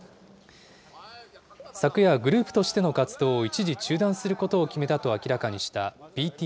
昨夜、グループとしての活動を一時中断することを決めたと明らかにしたＢＴＳ。